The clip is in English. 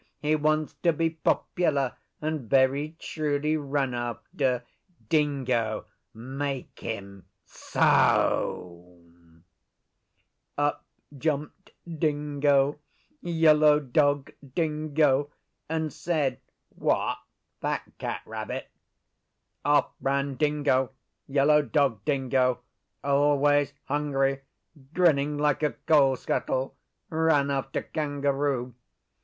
He wants to be popular and very truly run after. Dingo, make him SO!' Up jumped Dingo Yellow Dog Dingo and said, 'What, that cat rabbit?' Off ran Dingo Yellow Dog Dingo always hungry, grinning like a coal scuttle, ran after Kangaroo.